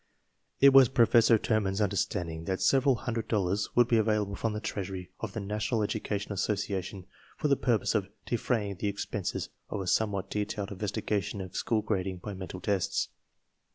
It was Professor Terman's understanding that several hundred dollars would be available from the treasury of the National Education Association for the purpose of defraying the expenses of a somewhat detailed investigation of school grading by mental tests.